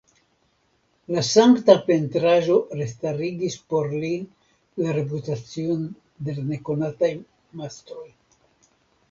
La sankta pentraĵo restarigis por li la reputacion de l' nekonataj mastroj.